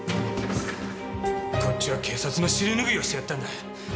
こっちは警察の尻拭いをしてやったんだ。